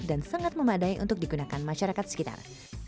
dan sangat memadai untuk digunakan masyarakat sekitar